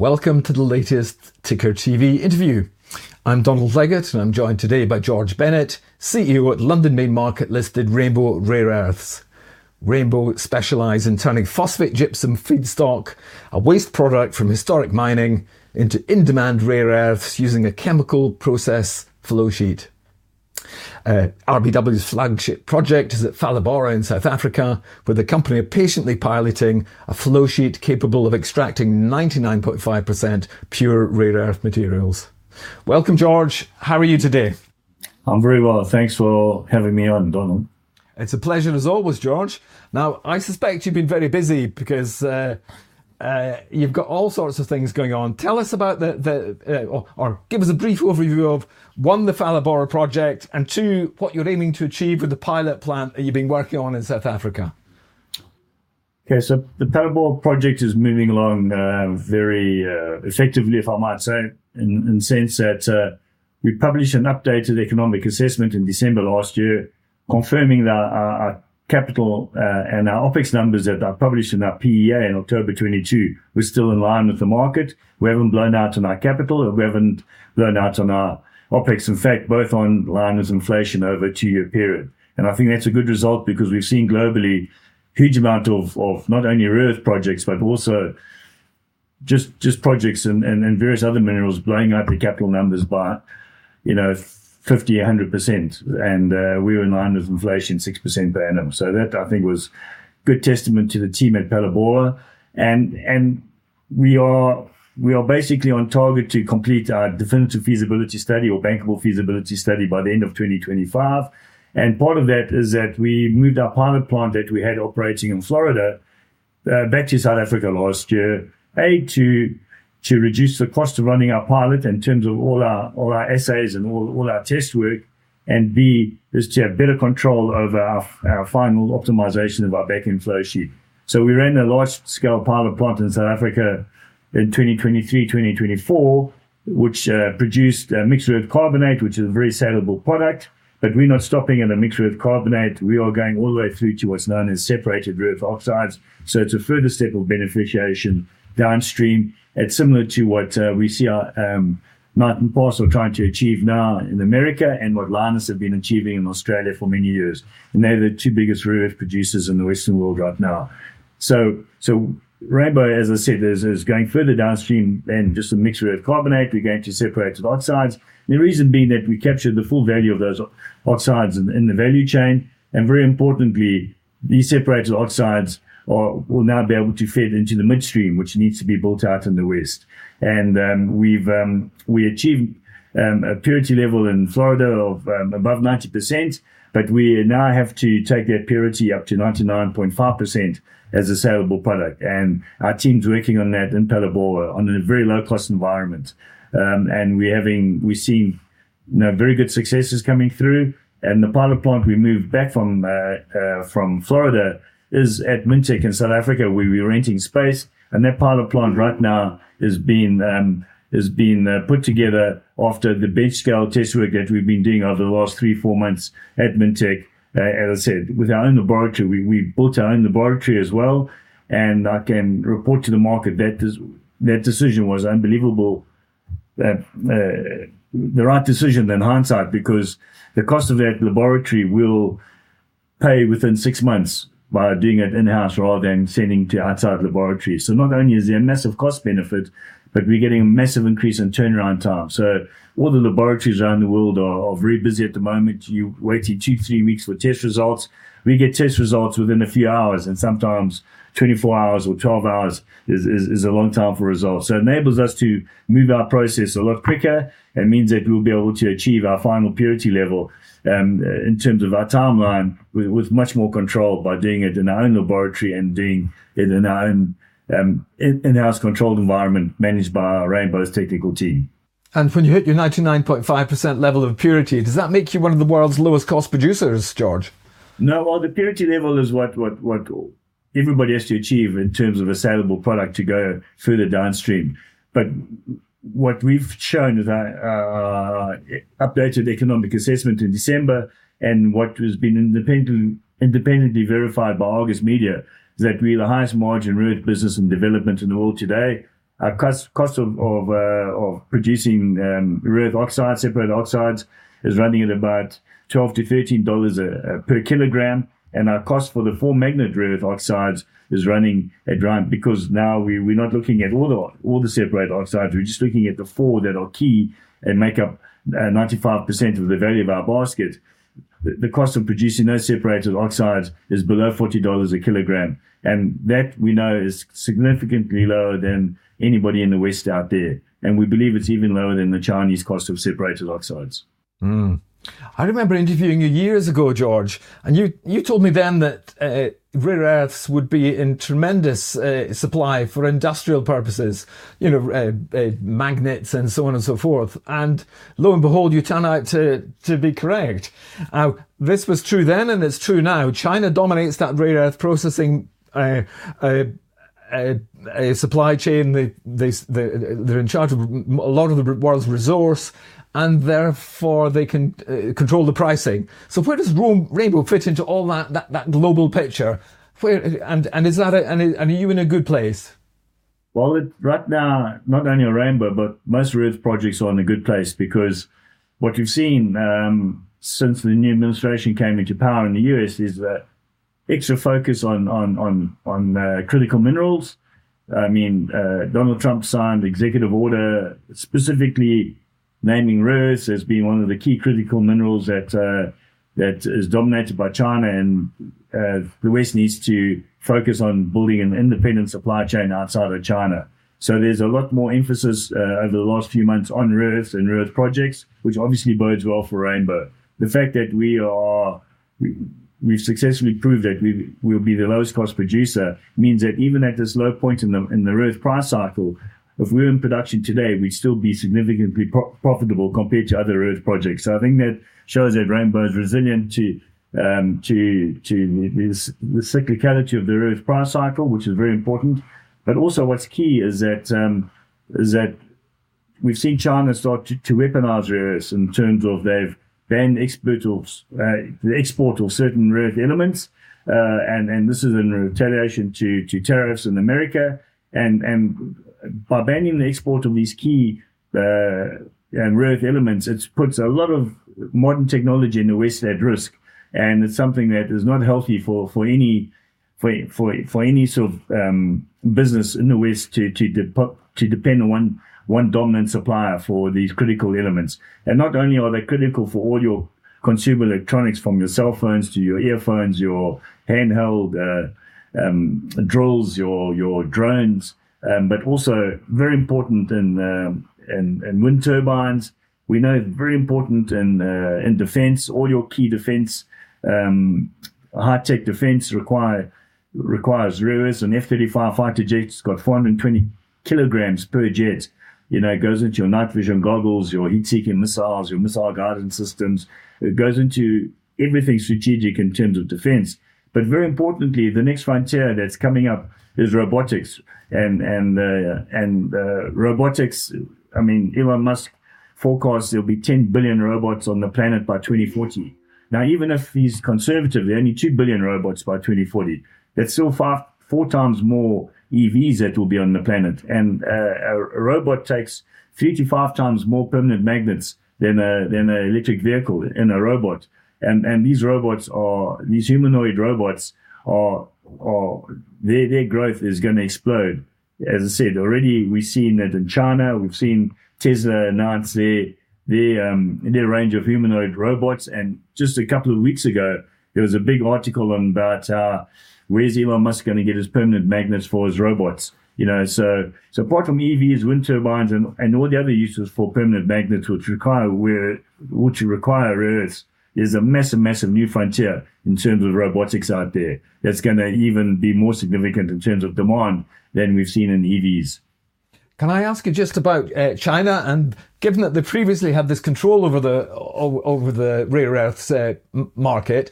Welcome to the latest Ticker TV interview. I'm Donald Leggett, and I'm joined today by George Bennett, CEO at London Main Market listed Rainbow Rare Earths. Rainbow specialize in turning phosphogypsum feedstock, a waste product from historic mining, into in-demand rare earths using a chemical process flow sheet. RBW's flagship project is at Phalaborwa in South Africa, where the company are patiently piloting a flow sheet capable of extracting 99.5% pure rare earth materials. Welcome, George. How are you today? I'm very well. Thanks for having me on, Donald. It's a pleasure as always, George. Now, I suspect you've been very busy because you've got all sorts of things going on. Tell us about the or give us a brief overview of one, the Phalaborwa project, and two, what you're aiming to achieve with the pilot plant that you've been working on in South Africa. The Phalaborwa project is moving along very effectively, if I might say, in the sense that we published an updated economic assessment in December last year, confirming that our capital and our OpEx numbers that are published in our PEA in October 2022 were still in line with the market. We haven't blown out on our capital, and we haven't blown out on our OpEx. In fact, both are in line with inflation over a two-year period. I think that's a good result because we've seen globally a huge amount of not only rare earth projects, but also just projects and various other minerals blowing out their capital numbers by, you know, 50%, 100%. We were in line with inflation 6% per annum. That I think was good testament to the team at Phalaborwa. We are basically on target to complete our definitive feasibility study or bankable feasibility study by the end of 2025. Part of that is that we moved our pilot plant that we had operating in Florida back to South Africa last year. A, to reduce the cost of running our pilot in terms of all our assays and all our test work. B, to have better control over our final optimization of our back-end flow sheet. We ran a large-scale pilot plant in South Africa in 2023, 2024, which produced a mixed rare earth carbonate, which is a very sellable product. We're not stopping at a mixed rare earth carbonate. We are going all the way through to what's known as separated rare earth oxides. It's a further step of beneficiation downstream. It's similar to what we see Mountain Pass are trying to achieve now in America and what Lynas have been achieving in Australia for many years. They're the two biggest rare earth producers in the Western world right now. Rainbow, as I said, is going further downstream than just a mixed rare earth carbonate. We're going to separated oxides. The reason being that we capture the full value of those oxides in the value chain. Very importantly, these separated oxides will now be able to feed into the midstream, which needs to be built out in the West. We've achieved a purity level in Florida of above 90%, but we now have to take that purity up to 99.5% as a sellable product. Our team's working on that in Phalaborwa on a very low-cost environment. We're seeing, you know, very good successes coming through. The pilot plant we moved back from Florida is at Mintek in South Africa, where we're renting space. That pilot plant right now is being put together after the bench scale test work that we've been doing over the last three or four months at Mintek. As I said, with our own laboratory, we built our own laboratory as well, and I can report to the market that that decision was unbelievable. The right decision in hindsight because the cost of that laboratory will pay within six months by doing it in-house rather than sending to outside laboratories. Not only is there a massive cost benefit, but we're getting a massive increase in turnaround time. All the laboratories around the world are very busy at the moment. You're waiting two, three weeks for test results. We get test results within a few hours and sometimes 24 hours or 12 hours is a long time for results. It enables us to move our process a lot quicker. It means that we'll be able to achieve our final purity level in terms of our timeline with much more control by doing it in our own laboratory and doing it in our own in-house controlled environment managed by Rainbow's technical team. When you hit your 99.5% level of purity, does that make you one of the world's lowest cost producers, George? No. Well, the purity level is what everybody has to achieve in terms of a sellable product to go further downstream. What we've shown with our updated economic assessment in December and what has been independently verified by August Media is that we're the highest margin rare earth business in development in the world today. Our cost of producing rare earth oxides, separated oxides, is running at about $12-$13 per kg. Our cost for the four magnet rare earth oxides is running at around because now we're not looking at all the separated oxides, we're just looking at the four that are key and make up 95% of the value of our basket. The cost of producing those separated oxides is below $40 a kg, and that we know is significantly lower than anybody in the West out there. We believe it's even lower than the Chinese cost of separated oxides. I remember interviewing you years ago, George, and you told me then that rare earths would be in tremendous supply for industrial purposes, you know, magnets and so on and so forth. Lo and behold, you turn out to be correct. Now, this was true then, and it's true now. China dominates that rare earth processing supply chain. They're in charge of a lot of the world's resource, and therefore they can control the pricing. Where does Rainbow fit into all that global picture? And are you in a good place? Well, right now, not only Rainbow, but most rare earth projects are in a good place because what we've seen since the new administration came into power in the U.S. is that extra focus on critical minerals. I mean, Donald Trump signed the Executive Order specifically naming rare earths as being one of the key critical minerals that is dominated by China and the West needs to focus on building an independent supply chain outside of China. There's a lot more emphasis over the last few months on rare earths and rare earth projects, which obviously bodes well for Rainbow. The fact that we've successfully proved that we'll be the lowest cost producer means that even at this low point in the rare earth price cycle, if we were in production today, we'd still be significantly profitable compared to other rare earth projects. I think that shows that Rainbow is resilient to the cyclicality of the rare earth price cycle, which is very important. Also what's key is that we've seen China start to weaponize rare earths in terms of they've banned the export of certain rare earth elements. This is in retaliation to tariffs in America. By banning the export of these key rare earth elements, it puts a lot of modern technology in the West at risk. It's something that is not healthy for any sort of business in the West to depend on one dominant supplier for these critical elements. Not only are they critical for all your consumer electronics, from your cell phones to your earphones, your handheld drills, your drones, but also very important in wind turbines. We know they're very important in defense. All your key high-tech defense requires rare earths. An F-35 fighter jet has got 420 kg per jet. You know, it goes into your night vision goggles, your heat-seeking missiles, your missile guidance systems. It goes into everything strategic in terms of defense. Very importantly, the next frontier that's coming up is robotics. I mean, Elon Musk forecasts there'll be 10 billion robots on the planet by 2040. Now, even if he's conservative, there are only 2 billion robots by 2040, that's still 4x more EVs that will be on the planet. A robot takes 3x-5x more permanent magnets than an electric vehicle in a robot. These humanoid robots' growth is gonna explode. As I said, already we've seen that in China. We've seen Tesla announce their range of humanoid robots. Just a couple of weeks ago, there was a big article about where's Elon Musk gonna get his permanent magnets for his robots. You know, apart from EVs, wind turbines and all the other uses for permanent magnets which require rare earths is a massive new frontier in terms of robotics out there that's gonna even be more significant in terms of demand than we've seen in EVs. Can I ask you just about China? Given that they previously had this control over the rare earths market,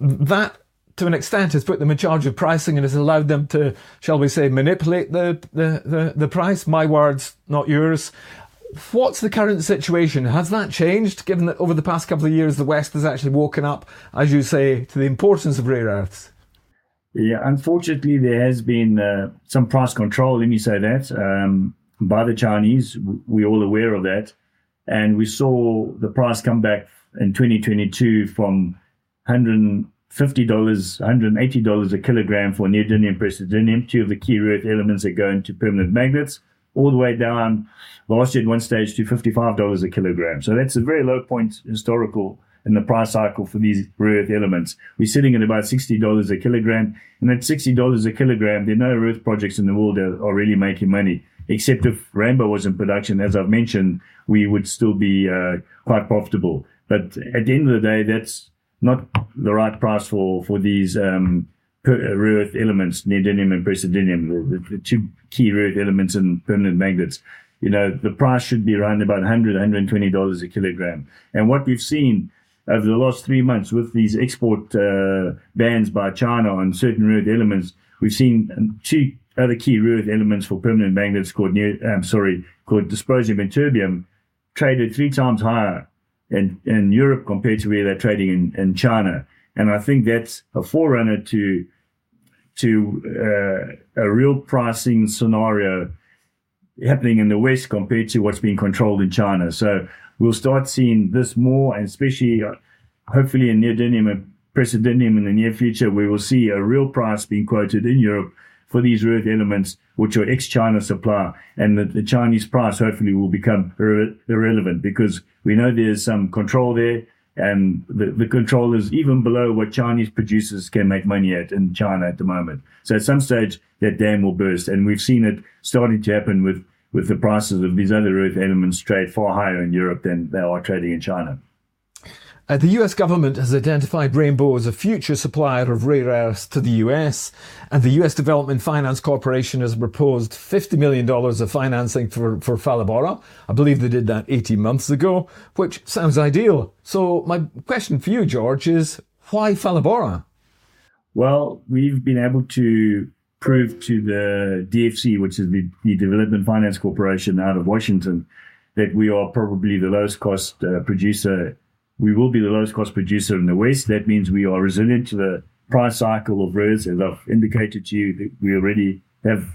that to an extent has put them in charge of pricing and has allowed them to, shall we say, manipulate the price. My words, not yours. What's the current situation? Has that changed given that over the past couple of years, the West has actually woken up, as you say, to the importance of rare earths? Yeah. Unfortunately, there has been some price control, let me say that, by the Chinese. We're all aware of that. We saw the price come back in 2022 from $150, $180 a kg for neodymium and praseodymium, two of the key rare earth elements that go into permanent magnets, all the way down last year at one stage to $55 a kg. That's a very low point historical in the price cycle for these rare earth elements. We're sitting at about $60 a kg, and at $60 a kg, there are no rare earth projects in the world that are really making money. Except if Rainbow was in production, as I've mentioned, we would still be quite profitable. At the end of the day, that's not the right price for these rare earth elements, neodymium and praseodymium, the two key rare earth elements in permanent magnets. You know, the price should be around about $100-$120 a kg. What we've seen over the last three months with these export bans by China on certain rare earth elements, we've seen two other key rare earth elements for permanent magnets called dysprosium and terbium traded 3x higher in Europe compared to where they're trading in China. I think that's a forerunner to a real pricing scenario happening in the West compared to what's being controlled in China. We'll start seeing this more, and especially, hopefully in neodymium and praseodymium in the near future, we will see a real price being quoted in Europe for these rare earth elements which are ex-China supply. The Chinese price hopefully will become irrelevant because we know there's some control there, and the control is even below what Chinese producers can make money at in China at the moment. At some stage, that dam will burst. We've seen it starting to happen with the prices of these other rare earth elements trade far higher in Europe than they are trading in China. The U.S. government has identified Rainbow as a future supplier of rare earths to the U.S., and the U.S. Development Finance Corporation has proposed $50 million of financing for Phalaborwa. I believe they did that 18 months ago, which sounds ideal. My question for you, George, is why Phalaborwa? Well, we've been able to prove to the DFC, which is the Development Finance Corporation out of Washington, that we are probably the lowest cost producer. We will be the lowest cost producer in the West. That means we are resilient to the price cycle of rare earths as I've indicated to you that we already have,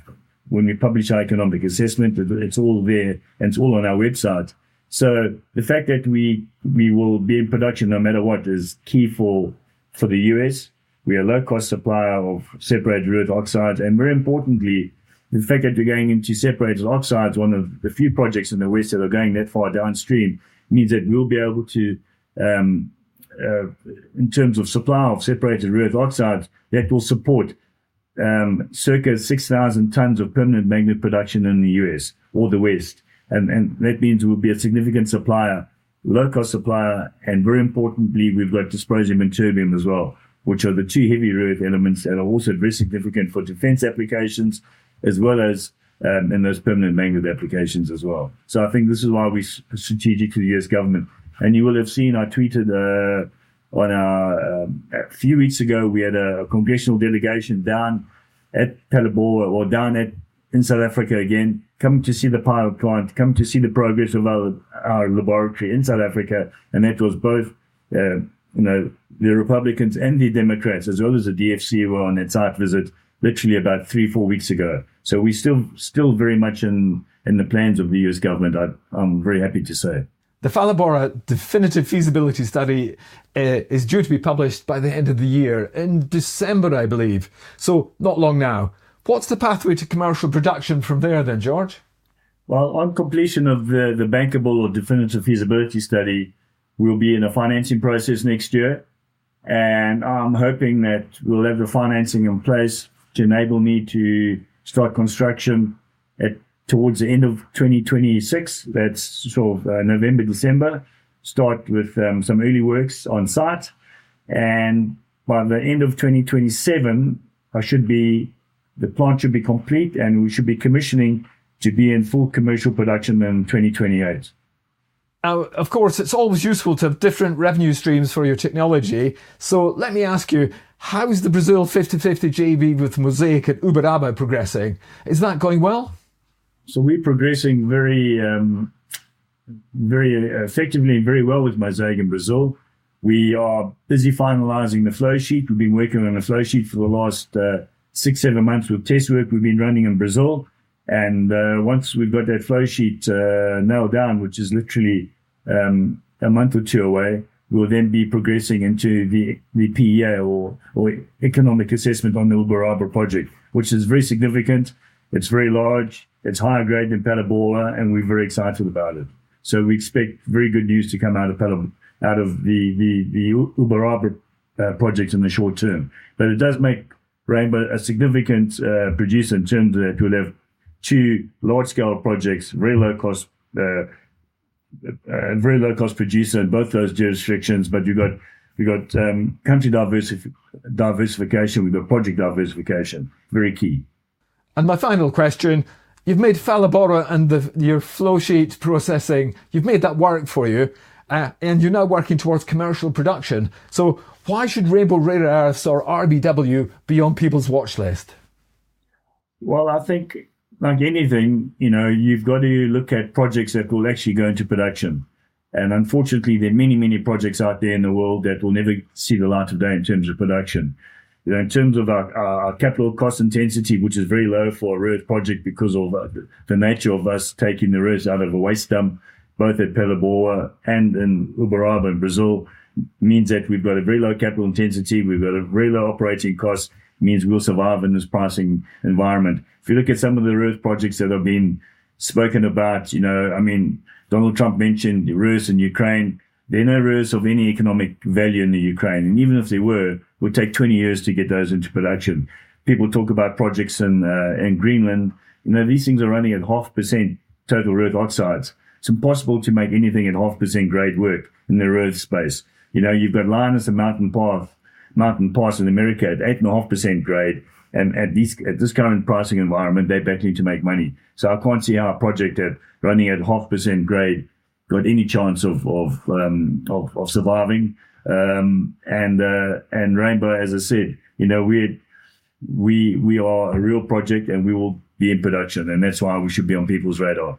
when we publish our economic assessment, it's all there, and it's all on our website. The fact that we will be in production no matter what is key for the U.S. We are a low-cost supplier of separated rare earth oxides, and very importantly, the fact that we're going into separated oxides, one of the few projects in the West that are going that far downstream, means that we'll be able to in terms of supply of separated rare earth oxides, that will support circa 6,000 tons of permanent magnet production in the U.S. or the West. That means we'll be a significant supplier, low-cost supplier, and very importantly, we've got dysprosium and terbium as well, which are the two heavy rare earth elements that are also very significant for defense applications as well as in those permanent magnet applications as well. I think this is why we're strategic to the U.S. government. You will have seen I tweeted on our a few weeks ago, we had a congressional delegation down at Phalaborwa or down at in South Africa again, come to see the pilot plant, come to see the progress of our laboratory in South Africa, and that was both you know the Republicans and the Democrats as well as the DFC were on that site visit literally about three-four weeks ago. We're still very much in the plans of the U.S. government, I'm very happy to say. The Phalaborwa definitive feasibility study is due to be published by the end of the year. In December, I believe. Not long now. What's the pathway to commercial production from there then, George? Well, on completion of the bankable or definitive feasibility study, we'll be in a financing process next year, and I'm hoping that we'll have the financing in place to enable me to start construction towards the end of 2026. That's sort of November, December. Start with some early works on site, and by the end of 2027, the plant should be complete, and we should be commissioning to be in full commercial production in 2028. Now, of course, it's always useful to have different revenue streams for your technology. Let me ask you, how is the Brazil 50/50 JV with Mosaic at Uberaba progressing? Is that going well? We're progressing very effectively and very well with Mosaic in Brazil. We are busy finalizing the flow sheet. We've been working on a flow sheet for the last six or seven months with test work we've been running in Brazil. Once we've got that flow sheet nailed down, which is literally one or two months away, we'll then be progressing into the PEA or economic assessment on the Uberaba project, which is very significant. It's very large. It's higher grade than Phalaborwa, and we're very excited about it. We expect very good news to come out of the Uberaba project in the short term. It does make Rainbow a significant producer in terms that we'll have two large scale projects, very low cost producer in both those jurisdictions. You got country diversification with the project diversification. Very key. My final question, you've made Phalaborwa and your flow sheet processing work for you, and you're now working towards commercial production. Why should Rainbow Rare Earths or RBW be on people's watchlist? Well, I think like anything, you know, you've got to look at projects that will actually go into production. Unfortunately, there are many, many projects out there in the world that will never see the light of day in terms of production. You know, in terms of our capital cost intensity, which is very low for a rare earth project because of the nature of us taking the risk out of a waste dump, both at Phalaborwa and in Uberaba in Brazil, means that we've got a very low capital intensity. We've got a very low operating cost; means we'll survive in this pricing environment. If you look at some of the rare earth projects that have been spoken about, you know, I mean, Donald Trump mentioned the rare earths in Ukraine. There are no rare earths of any economic value in the Ukraine, and even if there were, it would take 20 years to get those into production. People talk about projects in Greenland. You know, these things are running at 0.5% total rare earth oxides. It's impossible to make anything at 0.5% grade work in the rare earth space. You know, you've got Lynas and Mountain Pass, Mountain Pass in America at 8.5% grade, and at this current pricing environment, they're battling to make money. I can't see how a project running at 0.5% grade got any chance of surviving. Rainbow, as I said, you know, we are a real project, and we will be in production, and that's why we should be on people's radar.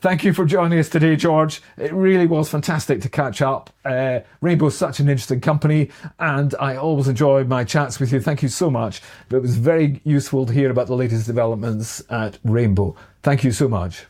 Thank you for joining us today, George. It really was fantastic to catch up. Rainbow's such an interesting company, and I always enjoy my chats with you. Thank you so much. It was very useful to hear about the latest developments at Rainbow. Thank you so much.